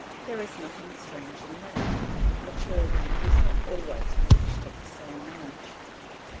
There is nothing strange in that, maturity is not always reached at the same age.